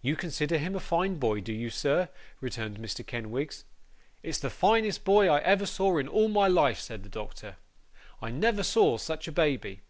'You consider him a fine boy, do you, sir?' returned Mr. Kenwigs. 'It's the finest boy I ever saw in all my life,' said the doctor. 'I never saw such a baby.